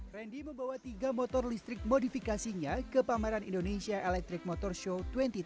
randy membawa tiga motor listrik modifikasinya ke pameran indonesia electric motor show dua ribu dua puluh